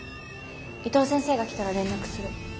伊藤先生が来たら連絡する。